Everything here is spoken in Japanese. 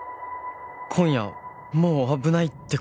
今夜もう危ないって事？